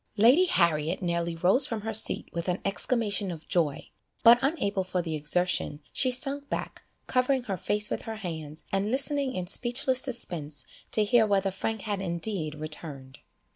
Lady Harriet nearly rose from her seat with an exclamation of joy, but unable for the exertion, she sunk back, covering her face with her hands, and listening in speechless suspense to hear whether Frank had indeed returned.